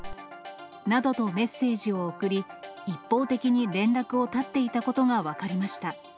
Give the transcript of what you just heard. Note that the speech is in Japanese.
などとメッセージを送り、一方的に連絡を絶っていたことが分かりました。